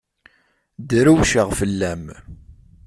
Drewceɣ fell-am.